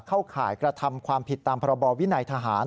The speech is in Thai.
ข่ายกระทำความผิดตามพรบวินัยทหาร